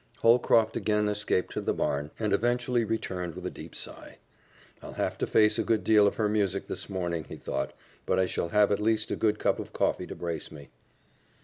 Holcroft again escaped to the barn, and eventually returned with a deep sigh. "I'll have to face a good deal of her music this morning," he thought, "but I shall have at least a good cup of coffee to brace me."